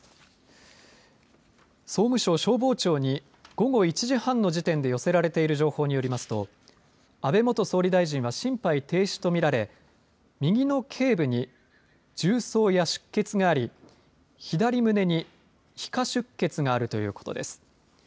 総務省消防庁に午後１時半の時点で寄せられている情報によりますと安倍元総理大臣は心肺停止と見られ右のけい部に銃創や出血があり左胸に皮下出血があるということです。